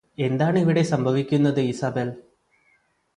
എന്താണിവിടെ സംഭവിക്കുന്നത് ഇസബെല്